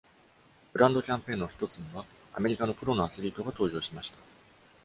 ブランドキャンペーンの一つには、アメリカのプロのアスリートが登場しました。